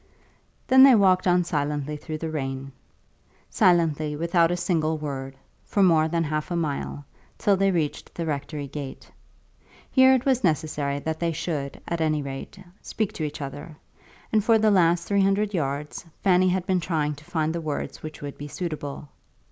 Then they walked on silently through the rain, silently, without a single word, for more than half a mile, till they reached the rectory gate. Here it was necessary that they should, at any rate, speak to each other, and for the last three hundred yards Fanny had been trying to find the words which would be suitable.